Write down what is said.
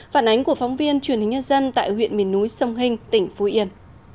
phản ánh của phóng viên truyền hình nhân dân tại huyện miền núi sông hinh tỉnh phú yên